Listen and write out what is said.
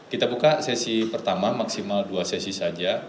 kita buka sesi pertama maksimal dua sesi saja